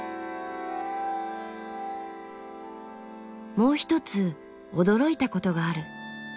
もう一つ驚いたことがある。